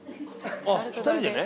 あっ２人でね。